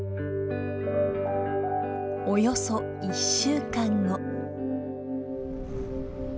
およそ１週間後。